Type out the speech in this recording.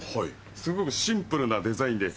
すごくシンプルなデザインで。